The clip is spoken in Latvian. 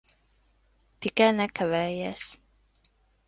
Tikai nekavējies.